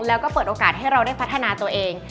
แล้วก็เปิดโอกาสให้เราได้พัฒนาตัวเอง